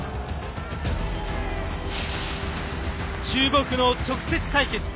注目の直接対決。